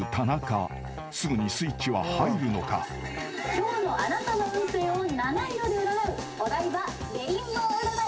今日のあなたの運勢を七色で占うお台場レインボー占い。